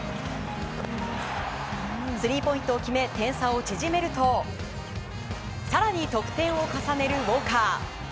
スリーポイントを決め点差を縮めると更に得点を重ねるウォーカー。